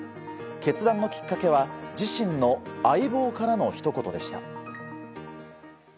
決断のきっかけは自身の相棒からのひと言でした。